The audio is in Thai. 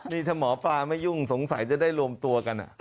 นี่ถ้าหมอปลาไม่ยุ่งสงสัยจะได้รวมตัวกัน